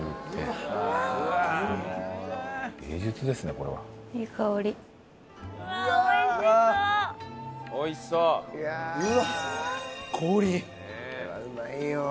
これはうまいよ。